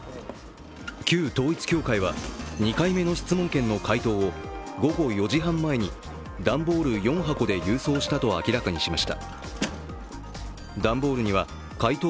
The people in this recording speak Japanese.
旧統一教会は２回目の質問権の回答を午後４時半前に段ボール４箱で郵送したと明らかにしました。